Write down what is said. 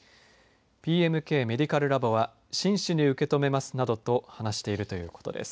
ＰＭＫメディカルラボは真摯に受け止めますなどと話しているということです。